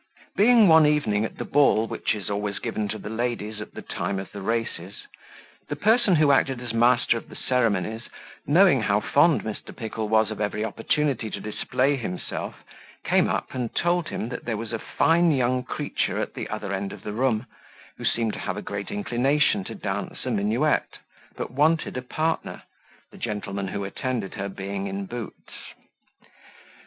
Being one evening at the ball which is always given to the ladies at the time of the races, the person acted as master of the ceremonies, knowing how fond Mr. Pickle was of every opportunity to display himself, came up, and told him, that there was a fine young creature at the other end of the room, who seemed to have a great inclination to dance a minuet, but wanted a partner, the gentleman who attended her being in boots.